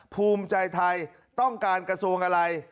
ภูมิใจไทยต้องการกระทรวงอะไร